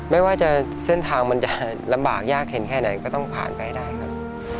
ไม่ว่าจะเส้นทางมันจะลำบากยากเห็นแค่ไหนก็ต้องผ่านไปให้ได้ครับ